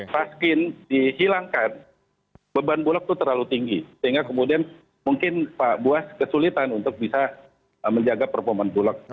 raskin dihilangkan beban bulog itu terlalu tinggi sehingga kemudian mungkin pak buas kesulitan untuk bisa menjaga performa bulog